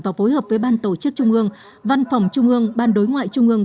và phối hợp với ban tổ chức trung ương văn phòng trung ương ban đối ngoại trung ương